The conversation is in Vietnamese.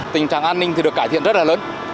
tình trạng an ninh thì được cải thiện rất là lớn